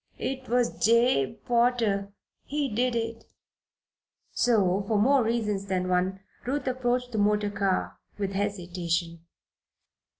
"It was Jabe Potter he did it." So, for more reasons than one, Ruth approached the motor car with hesitation.